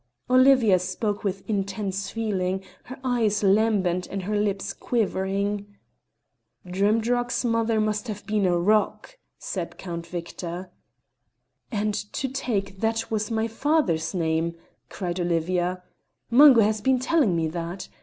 Olivia spoke with intense feeling, her eyes lambent and her lips quivering. "Drimdarroch's mother must have been a rock," said Count Victor. "And to take what was my father's name!" cried Olivia; "Mungo has been telling me that.